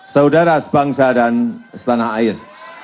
saudara sebangsa dan setanah air